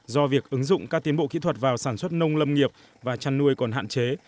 do việc ứng dụng các tiến bộ kỹ thuật vào sản xuất nông lâm nghiệp và chăn nuôi còn hạn chế